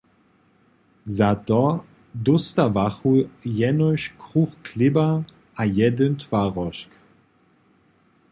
Za to dóstawachu jenož kruch chlěba a jedyn twarožk.